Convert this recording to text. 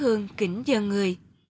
hương kính dân người